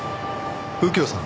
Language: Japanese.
右京さん